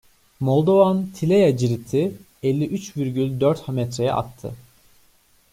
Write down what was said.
Moldovan-Tilea ciriti elli üç virgül dört metreye attı.